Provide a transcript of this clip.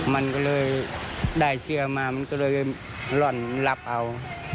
มันก็เลยได้เสื้อมามันก็เลยหล่อนรับเอา